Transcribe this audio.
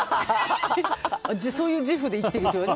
そういう自負で生きてきてます。